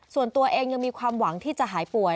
ส่วนตัวเองยังมีความหวังที่จะหายป่วย